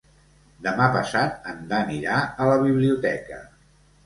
Demà passat en Dan irà a la biblioteca.